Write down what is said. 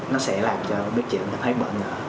nó sẽ làm cho bếp trưởng thấy bận nở